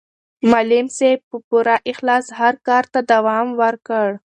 معلم صاحب په پوره اخلاص خپل کار ته دوام ورکړ.